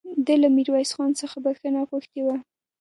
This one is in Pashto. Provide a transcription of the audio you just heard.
ده له ميرويس خان څخه بخښنه غوښتې وه